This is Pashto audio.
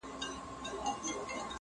د نورو ولایاتونو وګړو ته